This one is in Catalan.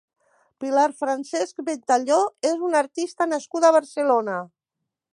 Pilar Francesch Ventalló és una artista nascuda a Barcelona.